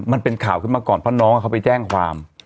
มันเป็นข่าวขึ้นมาก่อนเพราะน้องเขาไปแจ้งความ